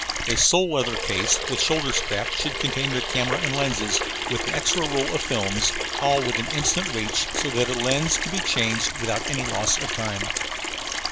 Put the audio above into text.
A sole leather case with shoulder strap should contain the camera and lenses, with an extra roll of films, all within instant reach, so that a lens could be changed without any loss of time.